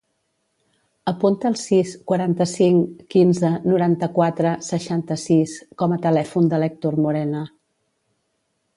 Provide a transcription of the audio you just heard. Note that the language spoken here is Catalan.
Apunta el sis, quaranta-cinc, quinze, noranta-quatre, seixanta-sis com a telèfon de l'Hèctor Morena.